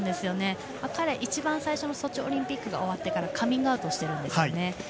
彼、一番最初のソチオリンピックが終わってからカミングアウトをしているんですよね。